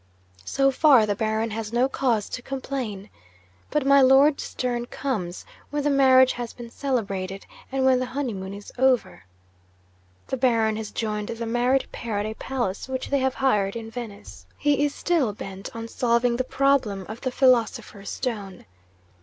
'So far, the Baron has no cause to complain. But my Lord's turn comes, when the marriage has been celebrated, and when the honeymoon is over. The Baron has joined the married pair at a palace which they have hired in Venice. He is still bent on solving the problem of the "Philosopher's Stone."